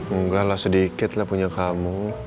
enggak lah sedikit lah punya kamu